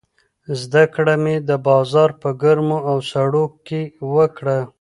زده کړه مې د بازار په ګرمو او سړو کې وکړه.